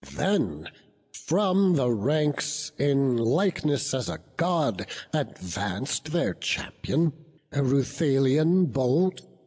Then from the ranks, in likeness as a God, Advanc'd their champion, Ereuthalion bold.